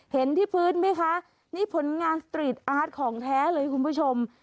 เห็นที่พื้นไหมคะนี่ผลงานสตรีทอาร์ตของแท้เลยคุณผู้ชม